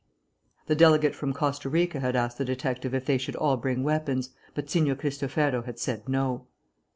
The delegate from Costa Rica had asked the detective if they should all bring weapons, but Signor Cristofero had said no.